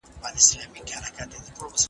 د ستونزو د حل له پاره تل خپلي نظریې شریکي کړئ.